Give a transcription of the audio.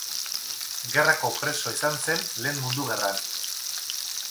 Gerrako preso izan zen Lehen Mundu Gerran.